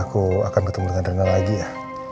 aku akan ketemu dengan rina lagi ya